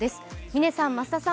嶺さん、増田さん